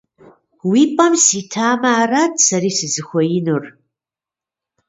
Уи пӏэм ситамэ, арат сэри сызыхуеинур.